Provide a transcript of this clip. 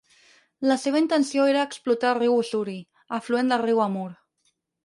La seva intenció era explorar el riu Ussuri, afluent del riu Amur.